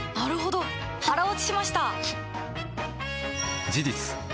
腹落ちしました！